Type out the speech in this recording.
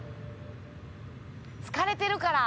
「疲れてるから」